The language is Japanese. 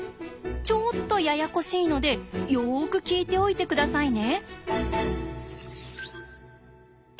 ちょっとややこしいのでよく聞いておいて下さいね。